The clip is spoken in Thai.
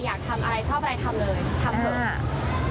อยากทำอะไรชอบอะไรทำเลย